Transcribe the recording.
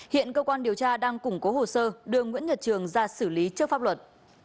hiện cơ quan điều tra đang củng cố hồ sơ đưa nguyễn nhật trường ra xử lý trước pháp luật